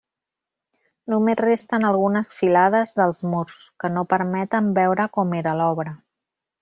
Només resten algunes filades dels murs, que no permeten veure com era l'obra.